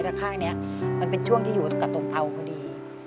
แต่ข้างนี้มันเป็นช่วงที่อยู่กับตรงเตาพอดี